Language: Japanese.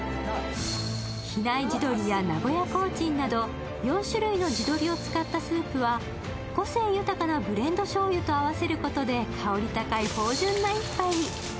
比内地鶏や名古屋コーチンなど４種類の地鶏を使ったスープは個性豊かなブレンドしょうゆと合わせることで香り高い芳じゅんな一杯に。